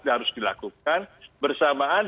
harus dilakukan bersamaan